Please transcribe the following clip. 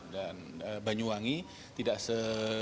dan banyuwangi tidak se